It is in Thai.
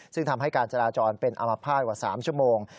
ซึ่งทำให้การจราจรเป็นอามภาษณ์กว่า๓ชั่วโมง